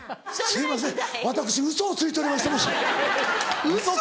すいません。